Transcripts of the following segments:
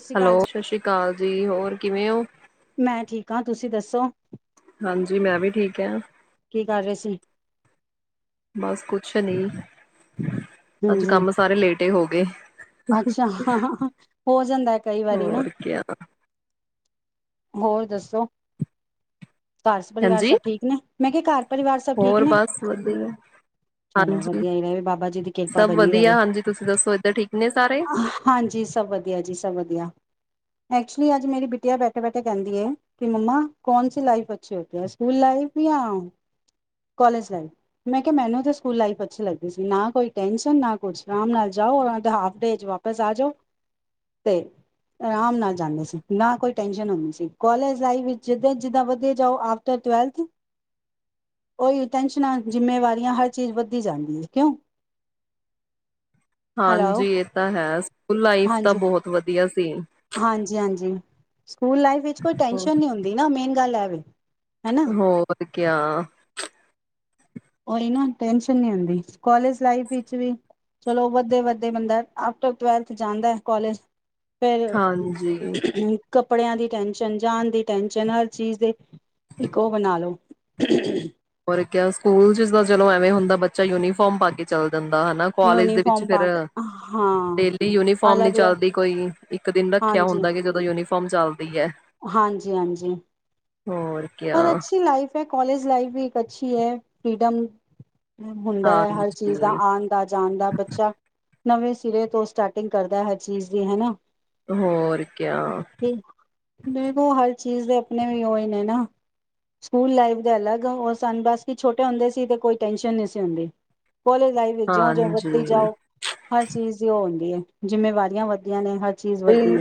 ਸਤਿ ਸ਼੍ਰੀ ਅਕਾਲ ਹੈਲੋ ਜੀ, ਸਤਿ ਸ੍ਰੀ ਅਕਾਲ ਜੀ ਹੋਰ ਕਿਵੇਂ ਹੋ ਮੈਂ ਠੀਕ ਹਾਂ ਤੁਸੀਂ ਦੱਸੋ ਹਾਂਜੀ ਮੈਂ ਵੀ ਠੀਕ ਆ ਕੀ ਕਰ ਰਹੇ ਸੀ ਸ਼ਨੀੇ ਅੱਜ ਹਾਂਜੀ, ਕੰਮ ਸਾਰੇ ਲੇਟ ਤੇ ਹੋ ਗਏ ਅੱਛਾ ਹਾਂ ਹਾਂ ਹਾਂ ਹੋ ਜਾਂਦਾ ਹੈ ਕਈ ਵਾਰੀ ਨਾ ਹੋਰ ਕਿਆ ਹੋਰ ਦੱਸੋ ਹੈਲੋ ਘਰ ਪਰਿਵਾਰ ਹਾਂਜੀ ਸਭ ਠੀਕ ਨੇ ਮਹਿਣਗੀ ਕਾਰ ਹੋਰ ਬਸ ਵਧੀਆ ਚਲੋ ਹਾਂਜੀ ਵਧੀਆ ਹੀ ਰਹੇ ਬਾਬਾ ਜੀ ਦੀ ਕਿਰਪਾ ਸਭ ਬਣੀ ਰਵੇ। ਵਧੀਆ ਹਾਂਜੀ ਤੁਸੀਂ ਦੱਸੋ [unintelligible] ਠੀਕ ਨੇ ਸਾਰੇ ਹਾਂਜੀ ਸਭ ਵਧੀਆ ਜੀ ਸਭ ਵਧੀਆ ਐਕਚੁਲੀ ਅੱਜ ਮੇਰੀ ਬਿੱਟੀਆ ਬੈਠੇ ਬੈਠੇ ਕਹਿੰਦੀ ਹੈ ਕਿ ਮੰਮਾ ਕੌਣ ਸੀ ਲਾਈਫ ਅੱਛੀ ਹੋਤੀ ਹੈ ਸਕੂਲ ਲਾਈਫ ਜਾਂ ਕਾਲਜ ਲਾਈਫ ਮੈਂ ਕਿਹਾ ਮੈਨੂੰ ਤੇ ਸਕੂਲ ਲਾਈਫ ਅੱਛੀ ਲੱਗਦੀ ਸੀ ਨਾ ਕੋਈ ਟੇਂਸ਼ਨ ਨਾ ਕੁਛ ਆਰਾਮ ਨਾਲ ਜਾਓ ਤੇ ਹਾਫ ਡੇ ਚ ਵਾਪਸ ਆਜੋ ਤੇ ਆਰਾਮ ਨਾਲ ਜਾਂਦੇ ਸੀ ਨਾ ਕੋਈ ਟੈਨਸ਼ਨ ਹੁੰਦੀ ਸੀ ਕੋਾਲਜ ਲਾਈਫ ਵਿੱਚ ਜਿੱਦਾਂ ਜਿੱਦਾਂ ਵੱਧਦੇ ਜਾਓ ਆਫਟਰ ਟਵੈਲਥ ਉਹੀ ਟੈਨਸ਼ਨਾਂ ਜਿੰਮੇਵਾਰੀਆਂ ਹਰ ਚੀਜ਼ ਵੱਧਦੀ ਜਾਂਦੀ ਕਿਉਂ ਹੈਲੋ ਹਾਂਜੀ ਇਹ ਤਾਂ ਹੈ ਸਕੂਲ ਲਾਈਫ ਤਾਂ ਹਾਂਜੀ ਬਹੁਤ ਵਧੀਆ ਸੀ ਹਾਂਜੀ ਹਾਂਜੀ ਸਕੂਲ ਲਾਈਫ ਵਿੱਚ ਕੋਈ ਟੈਨਸ਼ਨ ਨੀ ਹੁੰਦੀ ਨਾ ਮੇਨ ਗੱਲ ਇਹ ਵੇ ਹਨਾ ਹੋਰ ਕਯਾ ਉਹੀ ਨਾ ਟੈੈਂਨਸ਼ਨ ਨੀ ਹੁੰਦੀ। ਕਾਲਜ ਲਾਈਫ ਵਿੱਚ ਵੀ ਚਲੋ ਵੱਧਦੇ ਵੱਧਦੇ ਬੰਦਾ ਆਫਟਰ ਟਵੈਲਥ ਜਾਂਦਾ ਕੋਲੇਜ ਹਾਂਜੀ। ਕੱਪੜਿਆਂ ਦੀ ਟੈਨਸ਼ਨ, ਜਾਨ ਦੀ ਟੈਨਸ਼ਨ, ਹਰ ਚੀਜ਼ ਦੀ ਇੱਕ ਉਹ ਬਣਾ ਲੋੋ [unintelligible] ਹੋਰ ਕਿਆ। ਸਕੂਲ ਚ ਦਾ ਚਲੋ ਐਵੇਂ ਹੁੰਦਾ ਬੱਚਾ ਯੂਨੀਫਾਰਮ ਪਾ ਕੇ ਚੱਲ ਦਿੰਦਾ ਹਨਾ, ਕਾਲਜ ਦੇ ਵਿੱਚ ਯੂਨੀਫਾਰਮ ਪਾ ਫਿਰ ਕੇ ਹਾਂ ਡੇਲੀ ਯੂਨੀਫਾਰਮ ਨੀ ਅਲੱਗ ਅਲੱਗ ਚੱਲਦੀ, ਕੋਈ ਇੱਕ ਦਿਨ ਰੱਖਿਆ ਹਾਂਜੀ, ਹੁੰਦਾ ਕਿ ਜਦੋਂ ਯੂਨੀਫੋ ਮ ਚੱਲਦੀ ਐ। ਹਾਂਜੀ ਹਾਂਜੀ। ਹੋਰ ਕਿਆ ਪਰ ਅੱਛੀ ਲਾਈਫ ਐ, ਕਾਲਜ ਲਾਈਫ ਵੀ ਅਛੀ ਐ, ਫ੍ਰੀਡਮ ਹੁੰਦਾ ਐ ਹਰ ਚੀਜ਼ ਦਾ, ਹਾਂਜੀ ਆਣ ਦਾ, ਜਾਣ ਦਾ। ਬੱਚਾ ਨਵੇਂ ਸਿਰੇ ਤੋਂ ਸਟਾਰਟਿੰਗ ਕਰਦਾ ਹਰ ਚੀਜ਼ ਦੀ, ਹਨਾ? ਹੋਰ ਕਿਆ। ਨੇਨੋ ਹਰ ਚੀਜ਼ ਦੇ ਆਪਣੇ ਵੀ ਉਹੀ ਨੇ ਨਾ ਸਕੂਲ ਲਾਈਫ ਦੇ ਅਲਗ ਉਹ ਸਨ, ਬਸ ਕੀ ਛੋਟੇ ਹੁੰਦੇ ਸੀ ਤੇ ਕੋਈ ਟੈਨਸ਼ਨ ਨਹੀਂ ਸੀ ਹੁੰਦੀ। ਕੋਲੇਜ ਲਾਈਫ ਵਿੱਚ ਜੌਂ ਜੌਂ ਹਾਂਜੀ ਵੱਧਦੀ ਜਾਓ, ਹਰ ਚੀਜ਼ ਦੀ ਉਹ ਹੁੰਦੀ ਐ। ਜਿੰਮੇਵਾਰੀਆਂ ਵੱਧਦੀਆਂ ਨੇ, ਹਰ ਚੀਜ਼ ਓਹ, ਵੱਧਦੀ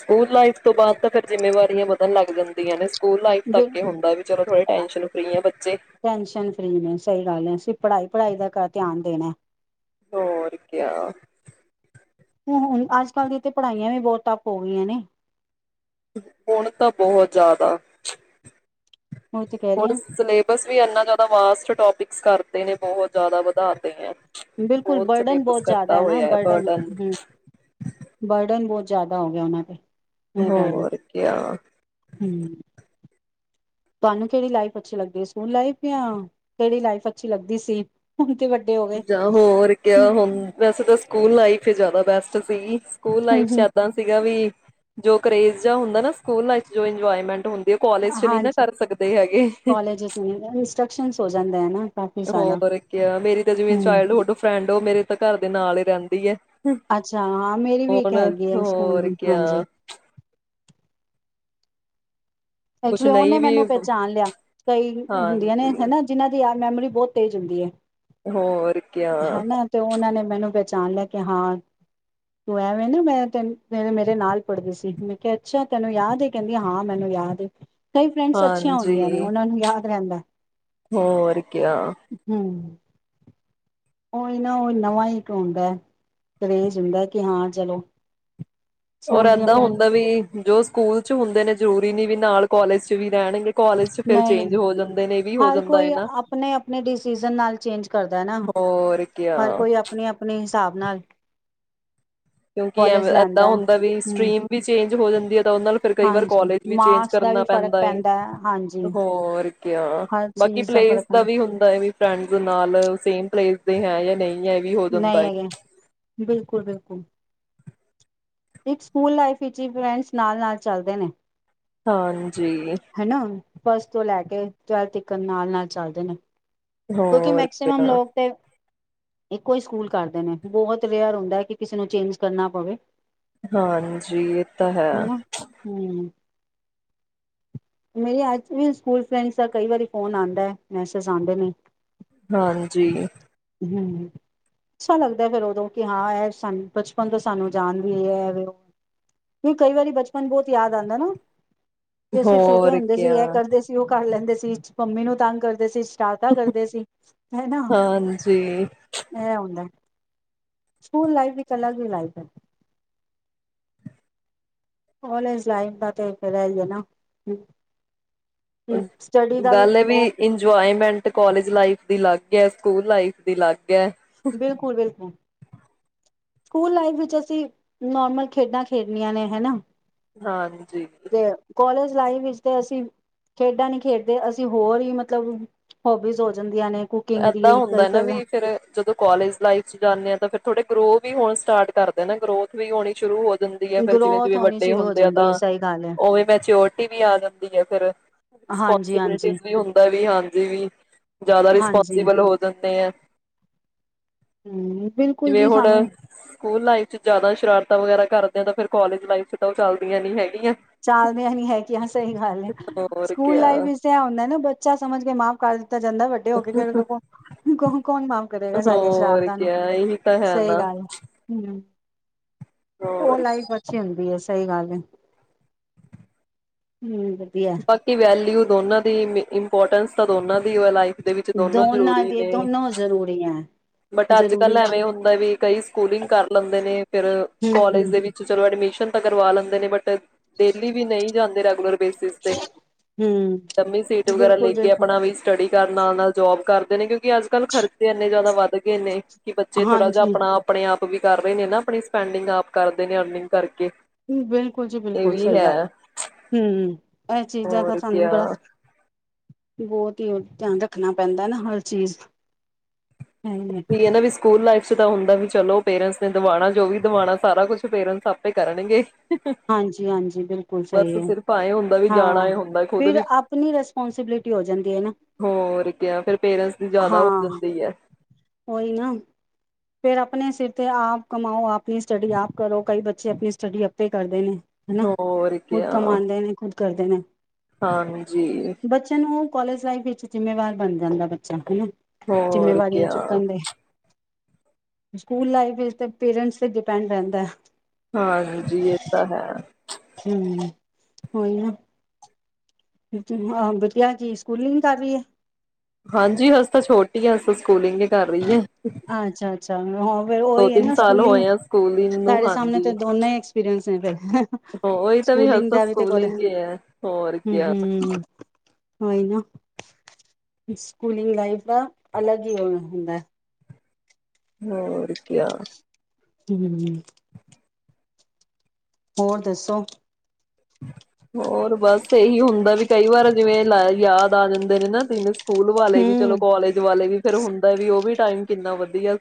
ਸਕੂਲ ਲਾਈਫ ਤੋਂ ਬਾਅਦ ਤਾਂ ਫਿਰ ਜਿੰਮੇਵਾਰੀਆਂ ਵਧਣ ਲੱਗ ਜਾਂ ਦੀਆਂ ਨੇ। ਸਕੂਲ ਲਾਈਫ ਹੈ ਤੱਕ ਇਹ ਹੁੰਦਾ ਵੀ, ਚਲੋ ਥੋੜੇ ਟੈਂਸ਼ਨ ਫ੍ਰਰੀ ਆ ਬੱਚੇ। ਟੈਨਸ਼ਨ ਫਰੀ ਨੇ ਸਹੀ ਗੱਲ ਹੈ ਅਸੀਂ ਪੜ੍ਹਾਈ ਪੜ੍ਹਾਈ ਦਾ ਕਰ ਧਿਆਨ ਦੇਣਾ। ਹੋਰ ਕਿਆ। ਹੁ ਹੁਣ ਅੱਜ ਕੱਲ੍ਹ ਦੀਆਂ ਤੇ ਪੜ੍ਹਾਈਆਂ ਵੀ ਬਹੁਤ ਤੱਪ ਹੋ ਗਈਆਂ ਨੇ। ਹੁਣ ਤਾਂ ਬਹੁਤ ਜ਼ਿਆਦਾ। ਉਹੀ ਤੇ ਕਹਿ ਰਹੀ ਹੁਣ ਹਾਂ ਸਿਲੇਬਸ ਵੀ ਇੰਨਾ ਜ਼ਿਆਦਾ ਵਾਸਟ ਟਾਪਿਕ ਸ ਕਰਤੇ ਨੇ, ਬਹੁਤ ਜ਼ਿਆਦਾ ਵਧਾਤੇ ਐ। ਬਿਲਕੁਲ ਬਰਡਨ ਬਹੁਤ ਜ਼ਿਆਦਾ ਐ ਨਾ, ਬਰਡਨ। ਹੂੰ, ਬਰਡਨ ਬਹੁਤ ਜ਼ਿਆਦਾ ਹੋ ਗਿਆ ਉਹਨਾਂ ਤੇ। ਇਹ ਗੱਲ ਹੈ ਹੋਰ ਕਿਆ। ਹਮ ਤੁਹਾਨੂੰ ਕਿਹੜੀ ਲਾਈਫ ਅੱਛੀ ਲੱਗਦੀ, ਸਕੂਲ ਲਾਈਫ ਜਾਂ ਕਿਹੜੀ ਲਾਈਫ ਅੱਛੀ ਲੱਗਦੀ ਸੀ? ਹੁਣ ਤੇ ਵੱ ਜਾਂ ਹੋਰ ਕਿਆ, ਹੁਣ ਵੈਸੇ ਤਾਂ ਸਕੂਲ ਲਾਈਫ ਹੀ ਜ਼ਿਆਦਾ ਬੈਸ ਟ ਸੀਗੀ ਸਕੂਲ ਹਮ ਲਾਈਫ ਚ ਹਮ ਏਦਾਂ ਸੀਗਾ ਵੀ ਜੋ ਕਰੇਜ਼ ਜਿਆ ਹੁੰਦਾ ਨਾ, ਸਕੂਲ ਲਾਇਫ ਜੋ ਇੰਜੋਏਮੈਂਟ ਹੁੰ ਹਾਂਜੀ ਕੋਾਲਜ ਇੰਸਟਰਕਸ਼ਨ ਹੋ ਜਾਂਦੇ ਨਾ। ਕਾਫੀ ਸਾਰਾ ਹੋਰ ਕਿਆ ਮੇਰੀ ਤਾਂ ਜਿਵੇਂ ਹਮ ਚਾਈਲਡਹੁੱਡ ਫਰੈਂਡ ਉਹ ਮੇਰੇ ਤਾਂ ਘਰ ਦੇ ਨਾਲ ਰਹਿੰਦੀ ਹੈ। ਅੱਛਾ ਹਾਂ ਮੇਰੀ ਵੀ ਇੱਕ ਹੁਣ ਹੈਗੀ ਆ ਸਕੂਲ ਹੋਰ ਦੀ ਕਿਆ ਹਾਂਜੀ ਕੁਛ ਐਕਚੁਲੀ ਉਹਨੇ ਨਹੀਂ ਵੀ ਮੈਨੂੰ ਪਹਿਚਾਣ ਲਿਆ ਕਈ ਹੁੰਦੀਆਂ ਨੇ ਹਾਂਜੀ। ਹਨਾ ਜਿਹਨਾਂ ਦੀ ਆਪ ਮੈਮੋਰੀ ਬਹੁਤ ਤੇਜ਼ ਹੁੰਦੀ ਹੈ। ਹੋਰ ਕਿਆ। ਹਨਾ ਤੇ ਉਹਨਾਂ ਨੇ ਮੈਨੂੰ ਪਹਿਚਾਣ ਲਿਆ ਕੇ ਹਾਂ ਤੂੰ ਐਵੇਂ ਨਾ ਮੈਂ ਤੈਨੂੰ ਮੇਰੇ ਨਾਲ ਪੜਦੀ ਸੀ ਮੈਂ ਕਿਹਾ ਅੱਛਾ ਤੈਨੂੰ ਯਾਦ ਕਹਿੰਦੀ ਹਾਂ ਮੈਨੂੰ ਯਾਦ ਏ। ਕਈ ਫਰੈਂਡਸ ਅੱਛੀਆਂ ਹਾਂਜੀ ਹੁੰਦੀਆਂ ਨੇ ਉਹਨਾਂ ਨੂੰ ਯਾਦ ਰਹਿੰਦੈ। ਹੋਰ ਕਿਆ। ਹੂੰ ਉਹੀ ਨਾ ਉਹ ਨਵਾਂ ਹੀ ਇੱਕ ਹੁੰਦਾ ਕਰੇਜ਼ ਹੁੰਦਾ ਹੈ ਕਿ ਹਾਂ ਚਲੋ ਔਰ ਸਕੂਲ ਦੀਆਂ ਏਦਾਂ ਫਰੈਂਡ ਹੁੰਦਾ ਵੀ ਜੋ ਸਕੂਲ ਚ ਹੁੰਦੇ ਨੇ ਜ਼ਰੂਰੀ ਨੀ ਵੀ ਨਾਲ ਕੋਲਜ ਚ ਵੀ ਰਹਿਣਗੇ। ਕਾਲਜ ਚ ਫਿਰ ਨਹੀਂ ਚੇਂਜ ਹੋ ਜਾਂਦੇ ਨੇ ਇਹ ਵੀ ਹੋ ਹਰ ਜਾਂਦਾ ਕੋਈ ਹੈ ਨਾ ਆਪਣੇ ਆਪਣੇ ਡਿਸੀਜ਼ਨ ਨਾਲ ਚੇਂਜ ਕਰਦਾ ਨਾ। ਹੋਰ ਕਿਆ ਹਰ ਕੋਈ ਆਪਣੀ ਆਪਣੀ ਹਿਸਾਬ ਨਾਲ ਕਿਉਂਕਿ ਐ ਕੋਲਜ ਏਦਾਂ ਲੈਂਦਾ ਹੁੰਦਾ ਵੀ ਹੂੰ ਸਟ੍ਰਰੀਮ ਵੀ ਚੇਂਜ ਹੋ ਜਾਂਦੀ ਹੈ ਤਾਂ ਉਹਦੇ ਨਾਲ ਫਿਰ ਕਈ ਵਾਰ ਹਾਂਜੀ ਕਾਲਜ ਵੀ ਚੇਂਜ ਮਾਰਕਸ ਦਾ ਵੀ ਕਰਨਾ ਫ਼ਰਕ ਪੈਂਦਾ ਏ। ਹਾਂਜੀ ਹੋਰ ਕਿਆ ਹਰ ਬਾਕੀ ਚੀਜ਼ ਪਲੇਸ ਫ਼ਰਕ ਦਾ ਵੀ ਪੈਂਦਾ ਹੁੰਦਾ ਹੈ ਵੀ ਫਰੈਂਡਜ ਨਾਲ ਸੇਮ। ਪਲੇਸ ਦੇ ਹੈ ਜਾਂ ਨਹੀਂ। ਹੈ ਇਹ ਵੀ ਹੋ ਜਾਂਦਾ ਨਹੀਂ ਹੈ ਹੈਗੇ ਬਿਲਕੁਲ ਬਿਲਕੁਲ। ਇੱਕ ਸਕੂਲ ਲਾਈਫ ਵਿੱਚ ਫਰੈਂਡਸ ਨਾਲ ਨਾਲ ਚੱਲਦੇ ਨੇ। ਹਾਂਜੀ। ਹਨਾ ਫਸਟ ਤੋਂ ਲੈ ਕੇ ਟਵੈਲਥ ਤੱਕ ਨਾਲ ਨਾਲ ਚੱਲਦੇ ਨੇ। ਕਿਉਂਕਿ ਹੋਰ ਮੈਕਸੀਮਮ ਕਿਆ ਲੋਕ ਤੇ ਇੱਕੋ ਹੀ ਸਕੂਲ ਕਰਦੇ ਨੇ ਬਹੁਤ ਵੇਅਰ ਆਦਾ ਹੈ ਕਿ ਕਿਸੇ ਨੂੰ ਚੇਂਜ ਕਰਨਾ ਪਵੇ। ਹਾਂਜੀ ਇਹ ਤਾਂ ਹੈ। ਮੇਰੇ ਅੱਜ ਵੀ ਸਕੂਲ ਫਰੈਂਡਸ ਦਾ ਕਈ ਵਾਰੀ ਫੋਨ ਆਦਾ ਹੈ ਮੈਸੇਜ ਆਦੇ ਨੇ। ਹਾਂਜੀ। ਹੂੰ ਅੱਛਾ ਲੱਗਦਾ ਫਿਰ ਉਦੋਂ ਕਿ ਹਾਂ ਇਹ ਸਾਨੂੰ ਬਚਪਨ ਤੋਂ ਸਾਨੂੰ ਜਾਣਦੀ ਹੈ ਕਿਉਕਿ ਕਈ ਵਾਰੀ ਬਚਪਨ ਬਹੁਤ ਯਾਦ ਆਦਾ ਨਾ। ਵੀ ਅਸੀਂ ਛੋਟੇ ਹੋਰ ਹੁੰਦੇ ਸੀ ਕਿਆ ਇਹ ਕਰਦੇ ਸੀ ਉਹ ਕਰ ਲੈਂਦੇ ਸੀ। ਜਿਸ ਚ ਪੰਮੀ ਨੂੰ ਤੰਗ ਕਰਦੇ ਸੀ। ਟਾਟਾ ਕਰਦੇ ਸੀ। ਹੈਨਾ ਹਾਂਜੀ ਇਹ ਹੁੰਦਾਂ ਐ। ਸਕੂਲ ਲਾਈਫ ਇੱਕ ਅਲੱਗ ਹੀ ਲਾਈਫ ਹੈ। ਕਾਲਜ ਲਾਈਫ ਦਾ ਤਾਂ ਫੇਰ ਹੀ ਹੈ ਨਾ ਹੂੰ। ਹੂੰ ਗੱਲ ਵੀ ਇੰਜੋਏਮੈਂਟ। ਤੇ ਕਾਲਜ ਲਾਈਫ ਦੀ ਅਲੱਗ ਹੈ ਸਕੂਲ ਲਾਈਫ ਦੀ ਅਲੱਗ। ਹੈ ਬਿਲਕੁਲ ਬਿਲਕੁਲ। ਸਕੂਲ ਲਾਈਫ ਵਿੱਚ ਅਸੀਂ ਨੋਰਮਲ ਖੇਡਾ ਖੇਡਣੀਆਂ ਨੇ ਹੈ ਨਾ। ਹਾਂਜੀ। ਚਲਾਈ ਵਿੱਚ ਤੇ ਅਸੀਂ ਖੇਡਾ ਨੀ ਖੇਡਦੇ ਅਸੀਂ ਹੋਰ ਹੀ ਮਤਲਬ ਹੋਬੀਜ਼ ਹੋ ਜਾਂਦੇ। ਏਦਾਂ ਹੁੰਦਾ ਨਾ ਵੀ ਫੇਰ ਜਦੋਂ ਕਾਲਜ ਲਾਈਫ ਚ ਜਾਂਦੇ ਹਾਂ ਫੇਰ ਥੋੜੇ। ਗਰੋ ਵੀ ਹੁਣ ਸਟਾਰਟ ਕਰਦੇ ਨੇ ਗਰੋਥ ਵੀ ਹੋਣੀ ਸ਼ੁਰੂ ਹੋ। ਜਾਂਦੀ ਜਿਵੇ ਗਰੋਥ ਜਿਵੇ ਹੋਣੀ ਵੱਡੇ ਸ਼ੁਰੂ ਹੋ ਹੁੰਦੇ ਆ ਜਾਂਦੀ ਹੈ ਤਾਂ ਸਹੀ ਗੱਲ ਹੈ ਉਵੇ ਮਚੋਰਟੀ ਵੀ ਆ ਜਾਂਦੀ ਆ ਫਿਰ ਹਾਂਜੀ ਰਿਸਪੋਸਬਲਟੀ ਹਾਂਜੀ ਵੀ ਹੁੰਦਾ ਵੀ ਹਾਂਜੀ ਜਿਆਦਾ ਹਾਂਜੀ ਰਿਸਪੋਂਸਿਬਲ ਹੋ ਜਾਂਦੇ ਹੈ ਹੂੰ, ਬਿਲਕੁਲ ਜਿਵੇਂ ਜੀ ਹੁਣ ਸਾਨੂੰ ਸਕੂਲ ਲਾਈਫ ਚ ਜ਼ਿਆਦਾ ਸ਼ਰਾਰਤਾਂ ਵਗੈਰਾ। ਕਰਦੇ ਆਂ ਤਾਂ ਫਿਰ ਕੋਲਜ ਲਾਈਫ ਚ ਤਾਂ ਉਹ ਚਲਦੀਆਂ ਨੀ ਹੈਗੀਆ। ਚਲਦੀਆਂ ਨੀਂ ਹੈਗੀਆ ਸਹੀ ਗੱਲ ਹੈ ਹੋਰ ਸਕੂਲ ਲਾਈਫ ਕਿਆ ਵਿੱਚ ਐ ਹੁੰਦਾ ਨਾ ਬੱਚਾ ਸਮਝ ਕੇ ਮਾਫ਼ ਕਰ। ਕੀਤਾ ਜਾਂਦਾ ਵੱਡੇ ਹੋ ਕੇ ਕੌਣ ਮਾਫ਼। ਕਰੇਗਾ ਸਾਡੀਆਂ ਹੋਰ ਸ਼ਰਾਰਤਾਂ ਨੂੰ ਕਿਆ ਇਹੀ ਤਾਂ ਹੈ ਨਾ ਹਮ [unintelligible] ਉਹ ਹੋਰ ਲਾਈਫ ਅੱਛੀ ਵਧੀਆ ਸਹੀ ਗੱਲ ਹੈ ਹਮ ਬਾਕੀ ਵੈਲਊ ਦੋਨਾਂ ਦੀ ਇੰਪੋਰਟੈਂਸ ਤਾਂ ਦੋਨਾਂ ਦੀ ਲਾਈਫ ਦੇ ਵਿੱਚ ਦੋਨੋ ਦੋਨਾਂ ਜ਼ਰੂਰੀ ਦੀ ਨੇ ਦੋਨੋ ਜ਼ਰੂਰੀ ਐ। ਬਟ ਅੱਜ ਜ਼ਰੂਰੀ ਕੱਲ ਐਵੇਂ ਹੁੰਦਾ ਵੀ ਕਈ ਸਕੂਲਿੰਗ ਕਰ ਲੈਂਦੇ ਨੇ ਫਿਰ ਕਾਲਜ ਹੂੰ, ਦੇ ਵਿੱਚ ਚਲੋ ਐਡਮਿਸ਼ਨ ਕਰਵਾ ਲੈਂਦੇ ਨੇ ਬਟ ਡੇਲੀ ਵੀ ਨਹੀਂ ਜਾਂਦੇ ਰੈਗੂਲਰ ਬੇਸ ਹੂੰ, ਲੰਮੀ ਸੀਟ ਵਗੈਰਾ ਲੈ ਬਿਲਕੁਲ ਕੇ ਬਿਲਕੁਲ ਆਪਣਾ ਵੀ ਸਟਡੀ ਨਾਲ ਨਾਲ ਜੋਬ ਕਰਦੇ ਨੇ ਕਿਉਂਕਿ ਅੱਜ ਕੱਲ ਖਰਚੇ ਇੰਨੇ ਜ਼ਿਆਦਾ ਵੱਧ ਵੱਧ ਗਏ ਨੇ ਕਿ ਬੱਚੇ ਥੋੜਾ ਜਿਹਾ ਹਾਂਜੀ। ਆਪਣਾ ਆਪਣੇ ਆਪ ਵੀ ਕਰ ਰਹੇ ਨੇ ਨਾ ਆਪਣੀ ਸਪੈਂਡਿੰਗ ਆਪ ਕਰਦੇ ਨੇ ਅਰਨਿੰਗ ਕਰਕੇ ਬਿਲਕੁਲ ਜੀ ਇਹ ਬਿਲਕੁਲ ਵੀ ਸਹੀ ਗੱਲ ਹੈ ਹਮ ਇਹ ਚੀਜ਼ਾਂ ਤਾਂ ਹੋਰ ਸਾਨੂੰ ਬੜਾ ਕਿਆ ਬਹੁਤ ਹੀ ਉਹ ਧਿਆਨ ਰੱਖਣਾ ਪੈਂਦਾ ਨਾ ਹਰ ਚੀਜ਼ ਹਮ ਵੀ ਇਹ ਨਾ ਵੀ ਸਕੂਲ ਲਾਈਫ ਚ ਤਾਂ ਹੁੰਦਾ ਵੀ ਚਲੋ ਪੇਰੈਂਟਸ ਨੇ ਦਵਾਉਣਾ ਜੋ ਵੀ ਦਵਾਉਣਾ ਸਾਰਾ ਕੁਛ ਪੇਰੈਂਟਸ ਆਪੇ ਕਰਨਗੇ ਹਾਂਜੀ-ਹਾਂਜੀ ਬਿਲਕੁਲ ਬਸ ਸਹੀ ਹੈ ਸਿਰਫ ਐਏ ਹੁੰਦਾ ਵੀ ਜਾਣਾ ਹਾਂ ਏ ਹੁੰਦਾ ਖੁਦ ਫਿਰ ਵੀ ਆਪਣੀ ਰਿਸਪੋਂਸੀਬਿਲਿਟੀ ਹੋ ਜਾਂਦੀ ਹੈ ਨਾ ਹੋਰ ਕਿਆ ਫਿਰ ਪੇਰੈਂਟਸ ਦੀ ਜ਼ਿਆਦਾ ਹੋ ਜਾਂਦੀ ਹੈ ਓਹੀ ਨਾ ਫੇਿਰ ਆਪਣੇ ਸਿਰ ਤੇ ਆਪ ਕਮਾਓ ਆਪਣੀ ਸਟੱਡੀ ਆਪ ਕਰੋ ਕਈ ਬੱਚੇ ਆਪਣੀ ਸਟੱਡੀ ਆਪੇ ਕਰਦੇ ਨੇ ਹਨਾ ਹੋਰ ਖੁਦ ਕਮਾਉਂਦੇ ਨੇ ਖੁਦ ਕਰਦੇ ਨੇ ਹਾਂਜੀੀ ਕੋਲਜ ਲਾਈਫ ਵਿੱਚ ਜਿੰਮੇਵਾਰ ਬਣ ਜਾਂਦਾ ਬੱਚਾ ਹਨਾ ਹੋਰ ਜਿੰਮੇਵਾਰੀਆਂ ਕਿਆ ਚੁੱਕਣ ਦੇ ਸਕੂਲ ਲਾਈਫ ਵਿੱਚ ਪੇਰੈਂਟਸ ਤੇ ਡਿਪੈਂਡ ਰਹਿੰਦਾ ਹੈ ਹਾਂ ਜੀ ਇਹ ਤਾਂ ਹੈ ਹੂੰ ਹੋਈ ਨਾ ਆਹ ਵਧੀਆ ਕੀ ਸਕੂਲਿੰਗ ਕਰ ਰਹੀ ਹੈ ਹਾਂਜੀ ਹਜੇ ਤਾਂ ਛੋਟੀ ਆ ਹ ਅੱਛਾ ਅੱਛਾ ਹਾਂ ਫਿਰ ਦੋ ਉਓਹੀ ਹੈ ਤਿੰਨ ਨਾ ਸਾਲ ਸਕੂਲਿੰਗ ਹੋਏ ਆ ਸਕੂਲਿੰਗ ਨੂੰ ਸਾਡੇ ਸਾਹਮਣੇ ਹਾਂਜੀ ਤੇ ਦੋਨਾਂ ਹੀ ਐਕਸਪੀਰੀੰਸ [inaudible] ਉਹੀ ਤਾਂ ਹਜੇ ਸਕੂਲਗ ਤਾਂ ਦਾ ਵੀ ਤੇ ਕੋਲੇ ਸਕੂਲਿੰਗ ਹੀ ਹੈ ਹੋਰ ਹੂੰ ਕਿਆ ਹੂੰ ਓਹੀ ਨਾ ਸਕੂਲਿੰਗ ਲਾਈਫ ਦਾ ਅਲੱਗ ਹੀ ਹੁੰਦਾ ਹੋਰ ਕਿਆ ਹੂੰ ਹੋਰ ਦੱਸੋ ਹੋਰ ਬਸ ਇਹੀ ਹੁੰਦਾ ਵੀ ਕਈ ਵਾਰ ਜਿਵੇਂ ਲ ਯਾਦ ਆ ਜਾਂਦੇ ਨੇ ਨਾ ਤਿੰਨ ਸਕੂਲ ਵਾਲੇ ਵੀ ਚਲੋ ਹੂੰ ਕਾਲਜ ਵਾਲੇ ਵੀ ਫੇਰ ਹੁੰਦਾ ਵੀ ਉਹ ਵੀ ਟਾਈਮ ਕਿੰਨਾ ਵਧੀਆ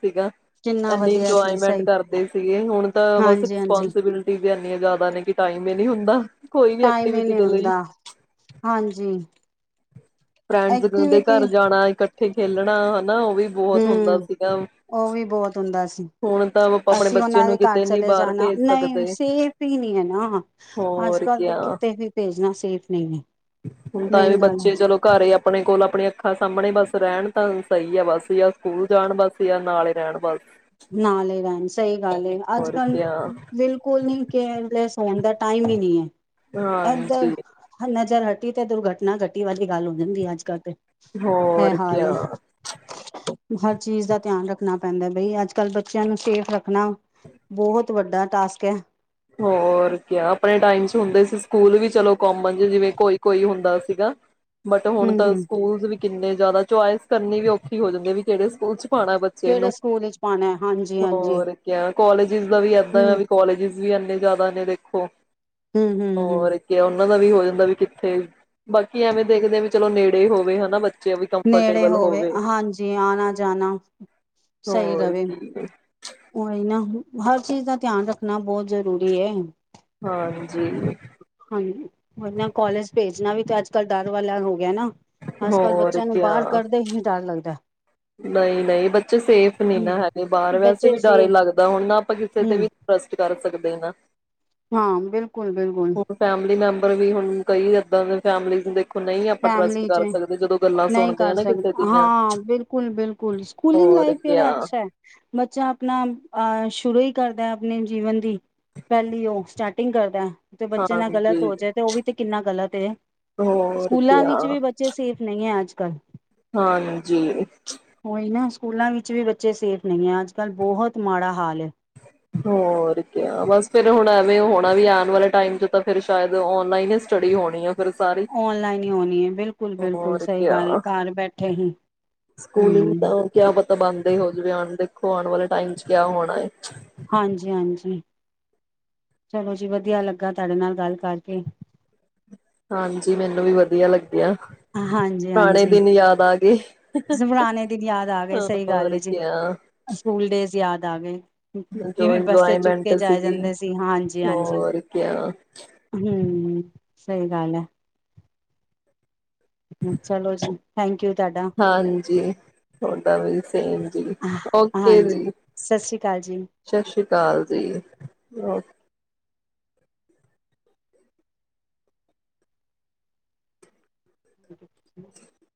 ਕਿੰਨਾ ਇਨੀ ਵਧੀਆ ਸੀ ਇੰਜੋਏਮੈਂਟ ਸਹੀ ਕਰਦੇ ਸੀਗੇ ਹੁਣ ਤਾਂ ਬਸ ਹਾਂਜੀ ਹਾਂਜੀ ਰਿਸਪੋਂਸੀਬਿਲਟੀ ਵੀ ਜ਼ਿਆਦਾ ਨੇ ਕਿ ਟਾਈਮ ਹੀ ਨਹੀਂ ਹੁੰਦਾ ਕੋਈ ਵੀ ਟਾਈਮ ਹੀ ਐਕਟੀਵਿਟੀ ਨਹੀ ਦੇ ਲਈ ਹੁੰਦਾ ਹਾਂਜੀ ਫਰੈਂਡਸ ਕਦੇ ਐਕਟੀਵਿਟੀ ਘਰ ਜਾਣਾ ਇਕਠ ਉੱਥੇ ਖੇਲਣਾ ਨਾ ਉਹ ਵੀ ਬਹੁਤ ਹੁੰਦਾ ਹੂੰ ਸੀਗਾ ਉਹ ਵੀ ਬਹੁਤ ਹੁੰਦਾ ਹੁਣ ਤਾਂ ਆਪਾਂ ਆਪਣੇ ਅਸੀਂ ਬੱਚੇ ਉਹਨਾਂ ਨੂੰ ਦੇ ਘਰ ਕਿਤੇ ਨੀ ਚਲੇ ਬਾਹਰ ਜਾਣਾ ਭੇਜ ਨਹੀਂ ਸਕਦੇ ਸੇਫ ਹੀ ਨਹੀਂ ਏ ਨਾ ਅੱਜ ਹੋਰ ਕੱਲ ਦੇ ਕਿਆ ਕਿਤੇ ਵੀ ਭੇਜਣਾ ਸੇਫ ਨਹੀਂ ਹੈ ਹੁਣ ਤਾਂ ਵੀ ਮੇਨ ਗੱਲ ਏ ਬੱਚੇ ਚਲੋ ਘਰ ਹੀ ਆਪਣੇ ਕੋਲ ਆਪਣੀਆਂ ਅੱਖਾਂ ਸਾਹਮਣੇ ਬਸ ਰਹਿਣ ਤਾਂ ਸਹੀ ਆ ਬਸ ਜਾ ਸਕੂਲ ਜਾਣ ਬਸ ਜਾਂ ਨਾਲੇ ਰਹਿਣ ਬਸ ਨਾਲ ਹੀ ਰੈਣ ਸਹੀ ਗੱਲ ਅੱਜ ਹੋਰ ਕੱਲ ਕਿਆ ਬਿਲਕੁਲ ਨੀ ਕੇਅਰਲੈਸ ਖਾਣ ਦਾ ਟਾਈਮ ਹੀ ਨਹੀ ਹੈ ਇਧਰ ਹਾਂਜੀ ਹਨ ਹਟੀ ਤੇ ਦੁਰਘਟਨਾ ਘਟੀ ਵਾਲੀ ਗੱਲ ਹੁੰਦੀ ਅੱਜ ਕੱਲ੍ਹ ਤੇ ਇਹ ਹੋਰ ਹਾਲ ਕਿਆ ਏ ਹਰ ਚੀਜ਼ ਦਾ ਧਿਆਨ ਰੱਖਣਾ ਪੈਂਦਾ ਬਈ ਅੱਜ ਕੱਲ ਬੱਚਿਆਂ ਨੂੰ ਸੇਫ ਰੱਖਣਾ ਬਹੁਤ ਵੱਡਾ ਟਾਸਕ ਹੈ। ਹੋਰ ਕਿਆ ਆਪਣੇ ਟਾਈਮ ਚ ਹੁੰਦੇ ਸੀ ਸਕੂਲ ਵੀ ਚਲੋ ਕੋਮਨ ਜ ਜਿਵੇਂ ਕੋਈ ਕੋਈ ਹੁੰਦਾ ਸੀਗਾ। ਬਟ ਹੁਣ ਹਮ ਤਾਂ ਹਮ ਸਕੂਲਜ਼ ਵੀ ਕਿੰਨੇ ਜ਼ਿਆਦਾ ਚੁਆਇਸ ਕਰਨੀ ਵੀ ਔਖੀ ਹੋ ਜਾਂਦੀ ਹੈ ਵੀ ਕਿਹੜੇ ਸਕੂਲ ਚ ਪਾਣਾ ਬੱਚੇ ਨੂੰ। ਕਿਹੜੇ ਸਕੂਲ ਵਿੱਚ ਪਾਉਣਾ ਹੈ ਹਾਂਜੀ ਹਾਂਜੀ ਹੋਰ ਕਿਆ ਕੋਾਲਜਿਸ ਦਾ ਵੀ ਏਦਾਂ ਹਮ ਵੀ ਕੋਾਲਜ ਵੀ ਇੰਨੇ ਜ਼ਿਆਦਾ ਨੇ ਦੇਖੋ। ਹੂੰ ਹੂੰ ਹੂੰ ਹੋਰ ਕਿਆ ਉਹਨਾਂ ਦਾ ਵੀ ਹੋ ਜਾਂਦਾ ਵੀ ਕਿੱਥੇ ਬਾਕੀ ਐਵੇਂ ਦੇਖਦੇ ਵੀ ਚਲੋ ਨੇੜੇ ਹੋਵੇ ਹਨਾ ਬੱਚੇ ਵੀ ਨੇੜੇ ਕੰਫਰਟੇਬਲ ਹੋਵੇ ਹਾਂਜੀ ਆਣਾ ਜਾਣਾ ਸਹੀ ਹੋਰ ਰਹੇ ਕੀ ਉਹੀ ਨਾ। ਹਰ ਚੀਜ਼ ਦਾ ਧਿਆਨ ਰੱਖਣਾ ਬਹੁਤ ਜ਼ਰੂਰੀ ਹੈ। ਹਾਂ। ਹਾਂਜੀ ਹੋਰ ਨਾ ਕੋਾਲਜ ਭੇਜਣਾ ਵੀ ਤੇ ਅੱਜ ਕੱਲ੍ਹ ਡਰ ਵਾਲਾ ਹੋ ਗਿਆ ਨਾ। ਅੱਜ ਕੱਲ ਹੋਰ ਬੱਚਿਆਂ ਨੂੰ ਬਾਹਰ ਕੱਢਦੇ ਹੀ ਡਰ ਲੱਗਦਾ ਐ। ਨਹੀਂ ਨਹੀਂ ਬੱਚੇ ਸੇਫ ਨਹੀਂ ਹੂੰ ਨਾ ਹੈਗੇ ਬਾਹਰ ਵੈਸੇ ਬੱਚੇ ਵੀ ਸੇ ਡਰ ਲੱਗਦਾ ਹੁਣ ਨਾ ਆਪਾਂ ਕਿਸੇ ਤੇ ਹੂੰ ਵੀ ਟਰਸਟ ਕਰ ਸਕਦੇ। [unintelligible] ਹਾਂ ਬਿਲਕੁਲ ਬਿਲਕੁਲ ਹੁਣ ਫੈਮਿਲੀ ਮੈਂਬਰ ਵੀ ਹੁਣ ਕਈ ਏਦਾਂ ਦੇ ਫੈਮਿਲੀਜ਼ ਦੇਖੇ ਨਹੀਂ ਆਪਾਂ ਟਰੱਸਟ ਫੈਮਲੀ ਚ ਕਰ ਸਕਦੇ ਜਦੋਂ ਗੱਲਾਂ ਨਹੀਂ ਸੁਣਦੇ ਕਰ ਹਾਂ ਨਾ ਕਿਸੇ ਸਕਦੇ ਦੀਆਂ ਮੈ ਹਾਂ ਬਿਲਕੁਲ ਬਿਲਕੁਲ ਸਕੂਲਿੰਗ ਲਾਈਫ ਜਿਹੜਾ ਅੱਛਾ ਹੈ ਬੱਚਾ ਆਪਣਾ ਸ਼ੁਰੂ ਹੀ ਕਰਦਾ ਹੈ ਆਪਣੇ ਜੀਵਨ ਦੀ ਪਹਿਲੀ ਉਹ ਸਟਾਰਟਿੰਗ ਕਰਦਾ ਐ। ਤੇ ਬੱਚੇ ਨਾਲ ਗ਼ਲਤ ਹਾਂਜੀ। ਹੋ ਜਾਏ ਤੇ ਉਹ ਵੀ ਤੇ ਕਿੰਨਾ ਗਲਤ ਤੇ ਹੋਰ ਸਕੂਲਾਂ ਕਿਆ ਵਿੱਚ ਵੀ ਬੱਚੇ ਸੇਫ ਨਹੀਂ ਹੈ ਅੱਜ। ਕਲ ਹਾਂਜੀ ਨਾ ਸਕੂਲਾਂ ਵਿੱਚ ਵੀ ਬੱਚੇ ਸੇਫ ਨਹੀਂ ਹੈ ਅੱਜ ਕੱਲ੍ਹ ਬਹੁਤ ਮਾੜਾ ਹਾਲ ਐ। ਹੋਰ ਕਿਆ। ਬਸ ਫਿਰ ਹੁਣ ਐਵੇਂ ਹੋਣਾ ਵੀ ਆਣ ਵਾਲੇ ਟਾਈਮ ਚ ਤਾਂ ਫਿਰ ਸ਼ਾਇਦ ਓਨਲਾਈਨ ਹੀ ਸਟੱਡੀ ਹੋਣੀ ਆ। ਫਿਰ ਸਾਰੀ ਔਨਲਾਈਨ ਹੀ ਹੋਣੀ ਐ। ਬਿਲਕੁਲ ਬਿਲਕੁਲ ਹੋਰ ਸਹੀ ਕਿਆ ਗੱਲ ਹੈ ਘਰ ਬੈਠੇ ਹੀ। ਸਕੂਲਿੰਗ ਹੂੰ ਕਿਆ ਤਾਂ ਪਤਾ ਬੰਦ ਹੀ ਹੋ ਜਾਵੇ ਹੁਣ ਦੇਖੋ ਆਣ ਵਾਲੇ ਟਾਈਮ ਚ ਕਿਆ ਹੋਣਾ ਐ। ਹਾਂਜੀ ਹਾਂਜੀ ਚਲੋ ਜੀ ਵਧੀਆ ਲੱਗਾ ਤੁਹਾਡੇ ਨਾਲ ਗੱਲ ਕਰਕੇ। ਹਾਂਜੀ ਮੈਨੂੰ ਵੀ ਵਧੀਆ ਲੱਗ ਹਾਂਜੀ ਹਾਂਜੀ। ਆ ਗਏ। ਪੁਰਾਣੇ ਦਿਨ ਯਾਦ ਆ ਗਏ ਸਹੀ ਗੱਲ ਹੋਰ ਜੀ ਕਿਆ ਸਕੂਲ ਡੇਜ ਯਾਦ ਆ ਗਏ। ਜੋ ਕਿਵੇਂ ਬੱਸੇ ਚੁੱਕ ਇੰਜੋਏਮੈਂਟ ਕੇ ਜਾਏ ਸੀਗੀ ਜਾਂਦੇ ਸੀ ਹਾਂਜੀ ਹਾਂਜੀ ਹੋਰ ਕਿਆ ਹੂੰ ਸਹੀ ਗੱਲ ਹੈ ਹ ਚਲੋ ਜੀ ਥੈਂਕ ਯੂ ਤੁਹਾਡਾ ਹਾਂਜੀ ਤੁਹਾਡਾ ਵੀ ਸੇਮ ਜੀ ਓਕੇ ਹਾਂਜੀ ਜੀ ਸਤਿ ਸ੍ਰੀ ਅਕਾਲ ਜੀ ਸਤਿ ਸ੍ਰੀ ਅਕਾਲ ਜੀ [inaudible]